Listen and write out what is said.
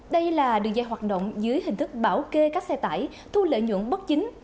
đây là đường dây hoạt động dưới hình thức bảo kê các xe tải thu lợi nhuận bất chính